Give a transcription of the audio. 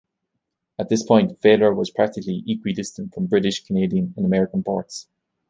At this point, Fehler was practically equidistant from British, Canadian and American ports.